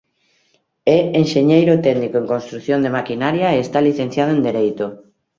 É enxeñeiro técnico en construción de maquinaria e está licenciado en Dereito.